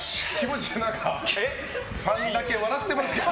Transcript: ファンだけ笑ってますけど。